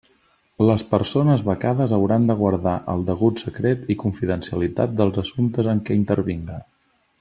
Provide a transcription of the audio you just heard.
Les persones becades hauran de guardar el degut secret i confidencialitat dels assumptes en què intervinga.